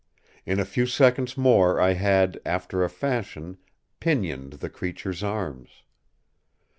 In a few seconds more I had, after a fashion, pinioned the creature’s arms.